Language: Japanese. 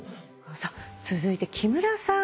続いて木村さん